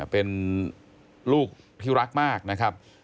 เป็นลูกที่รักมากนะครับ